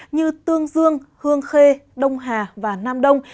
như tương dương hương khê đông hà và nam đông